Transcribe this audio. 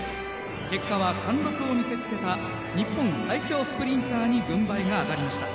結果は貫禄を見せつけた日本最強スプリンターに軍配が上がりました。